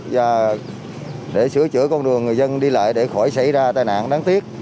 và để sửa chữa con đường người dân đi lại để khỏi xảy ra tai nạn đáng tiếc